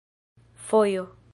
fojo